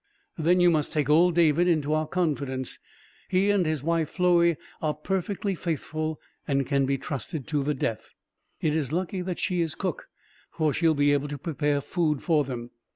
Then you must take old David into our confidence. He and his wife Floey are perfectly faithful, and can be trusted to the death. It is lucky that she is cook, for she will be able to prepare food for them.